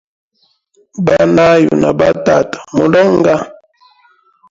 Banayu na ba tata muli onga?